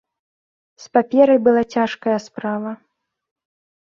З паперай была цяжкая справа.